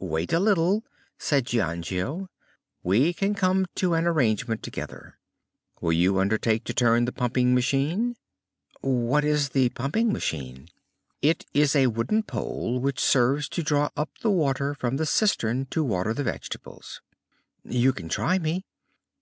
"Wait a little," said Giangio. "We can come to an arrangement together. Will you undertake to turn the pumping machine?" "What is the pumping machine?" "It is a wooden pole which serves to draw up the water from the cistern to water the vegetables." "You can try me."